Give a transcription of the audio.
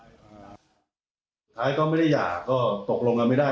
สุดท้ายก็ไม่ได้หย่าก็ตกลงกันไม่ได้